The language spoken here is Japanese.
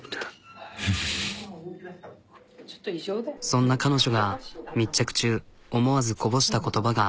そんな彼女が密着中思わずこぼした言葉が。